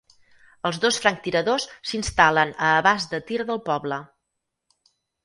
Els dos franctiradors s'instal·len a abast de tir del poble.